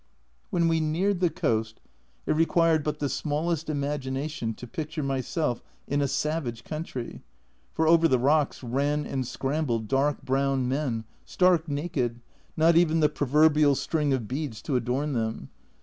When we neared the coast, it required but the smallest imagination to picture myself in a savage country, for over the rocks ran and scrambled dark brown men, stark naked, not even the proverbial string of beads to adorn them.